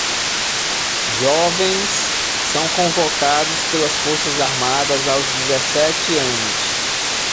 Jovens são convocados pelas forças armadas aos dezessete anos